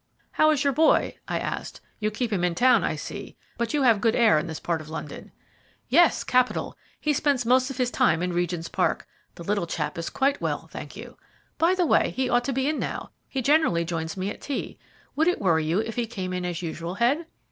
"How is your boy?" I asked. "You keep him in town, I see; but you have good air in this part of London." "Yes, capital; he spends most of his time in Regent's Park. The little chap is quite well, thank you. By the way, he ought to be in now. He generally joins me at tea. Would it worry you if he came in as usual, Head?"